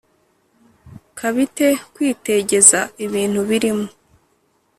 Ka bite kwitegeza ibintu birimo